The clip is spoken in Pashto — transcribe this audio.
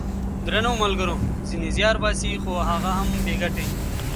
درنو ملګرو ! ځینې زیار باسي خو هغه هم بې ګټې!